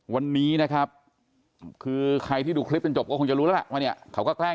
วันนี้นะครับคือใครที่ดูคลิปจนจบก็คงจะรู้แล้วล่ะว่าเนี่ยเขาก็แกล้ง